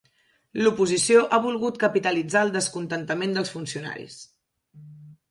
L'oposició ha volgut capitalitzar el descontentament dels funcionaris.